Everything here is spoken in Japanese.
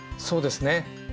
そうですね。